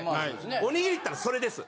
おにぎりっていったらそれです。